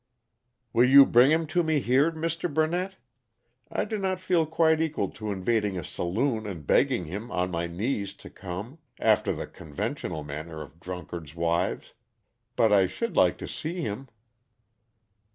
"Will you bring him to me here, Mr. Burnett? I do not feel quite equal to invading a saloon and begging him, on my knees, to come after the conventional manner of drunkards' wives. But I should like to see him."